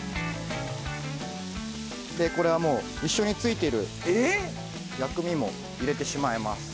これはもう一緒についてる薬味も入れてしまいます。